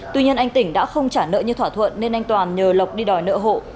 tuy nhiên anh tỉnh đã không trả nợ như thỏa thuận nên anh toàn nhờ lộc đi đòi nợ hộ